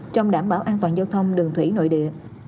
trong đảm bảo an toàn giao thông đường thủy nội địa